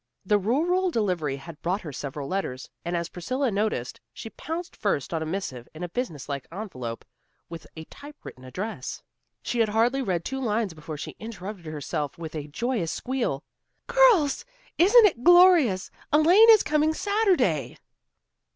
The rural delivery had brought her several letters, and as Priscilla noticed, she pounced first on a missive in a business like envelope, with a typewritten address. She had hardly read two lines before she interrupted herself with a joyous squeal. "Girls, isn't it glorious! Elaine is coming Saturday."